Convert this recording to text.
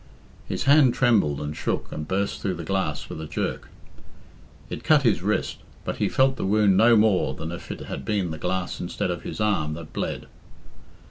His hand trembled and shook and burst through the glass with a jerk. It cut his wrist, but he felt the wound no more than if it had been the glass instead of his arm that bled.